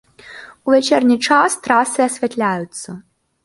У вячэрні час трасы асвятляюцца.